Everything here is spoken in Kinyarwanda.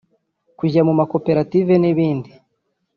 kujya mu makoperative n’ibindi